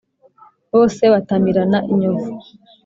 bose batamirana inyovu.